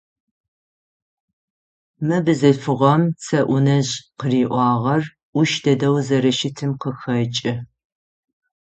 Мы бзылъфыгъэм Цэӏунэжъ къыриӏуагъэр ӏуш дэдэу зэрэщытым къыхэкӏы.